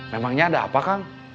memangnya ada apa kang